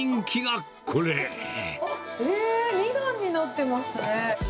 えー、２段になってますね。